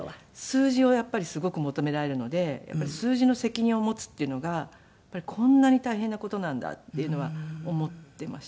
数字をやっぱりすごく求められるので数字の責任を持つっていうのがこんなに大変な事なんだっていうのは思っていました。